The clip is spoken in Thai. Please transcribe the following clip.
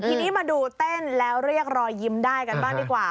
ทีนี้มาดูเต้นแล้วเรียกรอยยิ้มได้กันบ้างดีกว่า